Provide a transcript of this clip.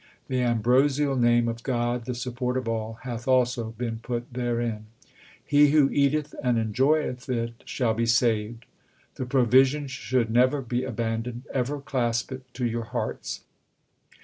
The ambrosial name of God the support of all hath also been put therein. He who eateth and enjoyeth it shall be saved. This provision should never be abandoned ; ever clasp it to your hearts.